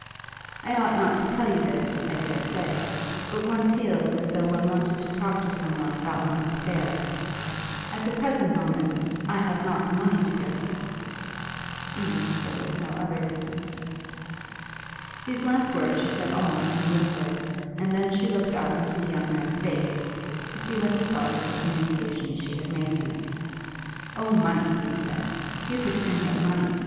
I ought not to tell you this, I dare say, but one feels as though one wanted to talk to some one about one's affairs. At the present moment, I have not the money to go, even if there were no other reason." These last words she said almost in a whisper, and then she looked up into the young man's face, to see what he thought of the communication she had made him. "Oh, money!" he said. "You could soon get money.